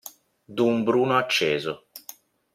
D'un bruno acceso.